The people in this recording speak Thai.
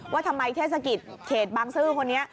ว่าทำไมเทศกิตเครดบังซื้อคนเนี่ย